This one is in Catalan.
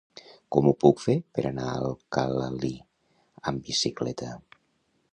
Com ho puc fer per anar a Alcalalí amb bicicleta?